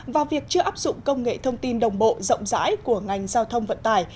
và việc chưa áp dụng công nghệ thông tin đồng bộ rộng rãi của ngành giao thông vận tài